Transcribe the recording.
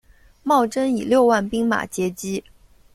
茂贞以六万兵马截击。